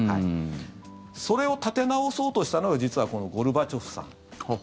それを立て直そうとしたのが実はこのゴルバチョフさん。